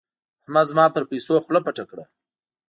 احمد زما پر پيسو خوله پټه کړه.